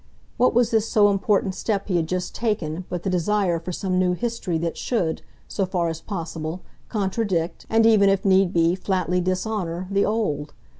What was this so important step he had just taken but the desire for some new history that should, so far as possible, contradict, and even if need be flatly dishonour, the old?